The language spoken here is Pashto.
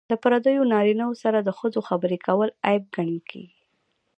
د پردیو نارینه وو سره د ښځو خبرې کول عیب ګڼل کیږي.